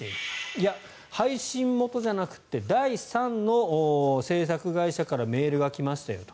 いや、配信元じゃなくて第三の制作会社からメールが来ましたよと。